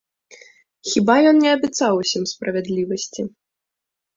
Хіба ён не абяцаў усім справядлівасці?